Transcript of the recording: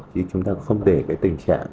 chứ chúng ta không để cái tình trạng